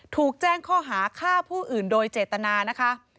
ถูกแจ้งข้อหาฆ่าผู้อื่นโดยเจตนานะคะ